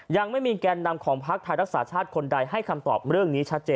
ยังไม่มีแกนนำของพักไทยรักษาชาติคนใดให้คำตอบเรื่องนี้ชัดเจน